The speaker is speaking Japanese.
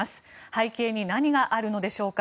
背景に何があるのでしょうか。